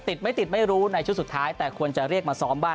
ไม่ติดไม่รู้ในชุดสุดท้ายแต่ควรจะเรียกมาซ้อมบ้าน